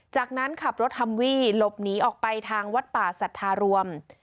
จากนั้นขับรถฮัมวี่หลบหนีออกไปทางวัดป่าสัทธารวม